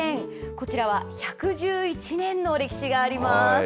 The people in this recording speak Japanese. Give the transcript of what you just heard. こちらは１１１年の歴史があります。